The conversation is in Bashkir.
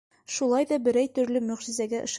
Шулай ҙа берәй төрлө мөғжизәгә ышанды.